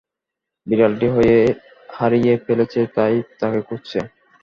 বিড়ালটি হারিয়ে ফেলছে তাই তাকে খুঁজছে।